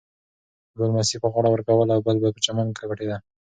یوه لمسي به غاړه ورکوله او بل به په چمن کې پټېده.